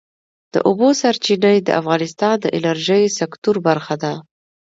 د اوبو سرچینې د افغانستان د انرژۍ سکتور برخه ده.